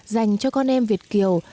dành cho con em việt kiều